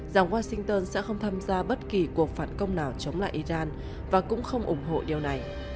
rằng washington sẽ không tham gia bất kỳ cuộc phản công nào chống lại iran và cũng không ủng hộ điều này